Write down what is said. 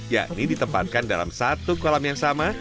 yakni ditempatkan dalam satu kolam yang sama